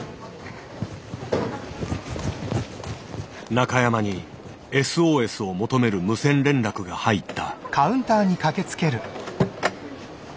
中山にＳＯＳを求める無線連絡が入った。